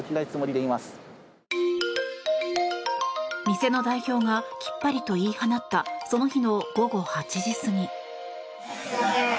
店の代表がきっぱりと言い放ったその日の午後８時過ぎ。